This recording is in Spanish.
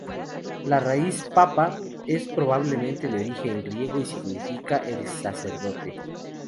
La raíz "papa" es probablemente de origen griego y significa el "sacerdote".